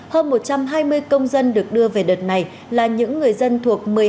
hơn một trăm hai mươi công dân được đưa về đợt này là những người dân thuộc